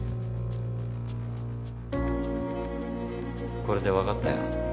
これでわかったよ。